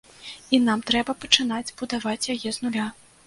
І нам трэба пачынаць будаваць яе з нуля.